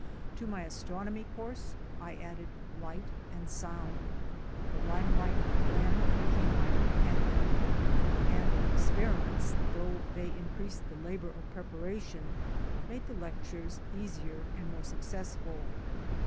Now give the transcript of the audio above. To my Astronomy course, I added Light and Sound. The limelight lantern became my companion, and experiments though they increased the labour of preparation made the lectures easier and more successful.